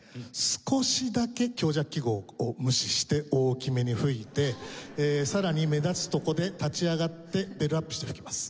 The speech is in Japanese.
少しだけ強弱記号を無視して大きめに吹いてさらに目立つところで立ち上がってベルアップして吹きます。